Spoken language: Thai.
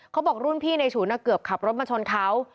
เขาบอกรุ่นพี่ในฉุนเกือบขับรถมาชนเขา